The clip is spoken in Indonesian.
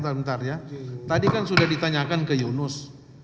sebentar ya tadi kan sudah ditanyakan ke yunus